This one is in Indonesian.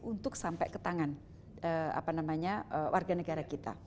untuk sampai ke tangan warga negara kita